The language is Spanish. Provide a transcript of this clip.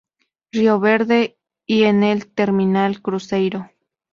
Río Verde y en el Terminal Cruzeiro.